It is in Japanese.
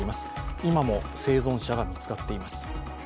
今も生存者が見つかっています。